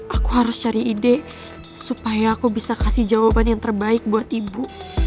aku harus cari ide supaya aku bisa kasih jawaban yang terbaik buat ibu